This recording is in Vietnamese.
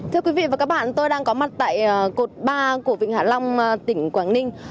thưa quý vị và các bạn tôi đang có mặt tại cột ba của vịnh hạ long tỉnh quảng ninh